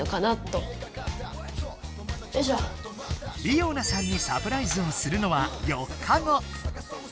りおなさんにサプライズをするのは４日後！